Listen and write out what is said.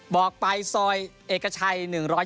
บอกไปซอยเอกชัย๑๒